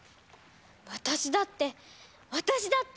私だって私だって！